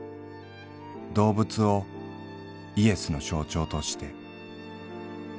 動物をイエスの象徴として。